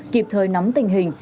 kịp thời nắm tình hình